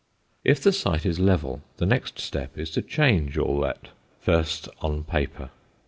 If the site is level, the next step is to change all that first on paper.